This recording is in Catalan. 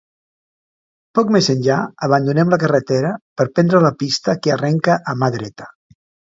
Poc més enllà, abandonem la carretera per prendre la pista que arrenca a mà dreta.